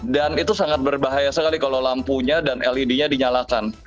dan itu sangat berbahaya sekali kalau lampunya dan led nya dinyalakan